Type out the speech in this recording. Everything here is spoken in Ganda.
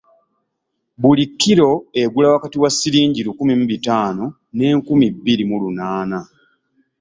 Buli kkiro egula wakati wa sirinji lukumi mu bitaano n'enkumi bbiri mu lunaana.